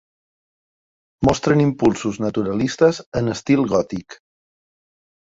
Mostren impulsos naturalistes en estil gòtic.